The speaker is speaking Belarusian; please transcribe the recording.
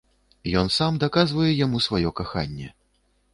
Ён сам даказвае яму сваё каханне.